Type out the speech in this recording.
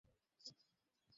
শুধু এক মিনিট দেন, স্যার।